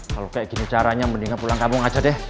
kalo kayak gini caranya mendingan pulang kamu aja deh